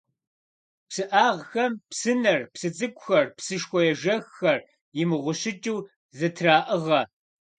ПсыӀагъхэм псынэр, псы цӀыкӀухэр, псышхуэ ежэххэр имыгъущыкӀыу зэтраӀыгъэ.